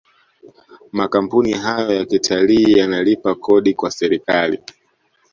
makampuni hayo ya kitalii yanalipa Kodi kwa serikali